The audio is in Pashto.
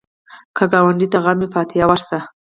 که ګاونډي ته غم وي، فاتحه ورشه